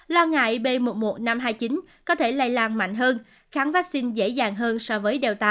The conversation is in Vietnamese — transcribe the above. lo ngại b một một năm trăm hai mươi chín có thể lây lan mạnh hơn kháng vaccine dễ dàng hơn so với delta